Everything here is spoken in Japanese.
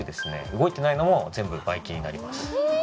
動いてないのも全部ばい菌になりますえ！？